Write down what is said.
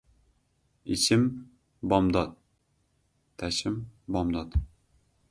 ichim – bomdod, tashim – bomdod